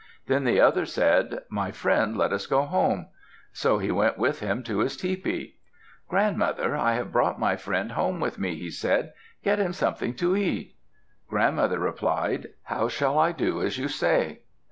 Then the other said, "My friend, let us go home," so he went with him to his tepee. "Grandmother, I have brought my friend home with me," he said. "Get him something to eat." Grandmother replied, "How shall I do as you say?"